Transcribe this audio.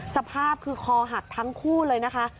สภาพคือคอหักทั้งคู่เลยนะคะ